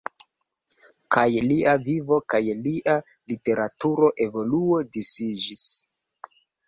Kaj lia vivo kaj lia literatura evoluo disiĝis.